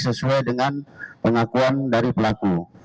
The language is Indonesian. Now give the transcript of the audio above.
sesuai dengan pengakuan dari pelaku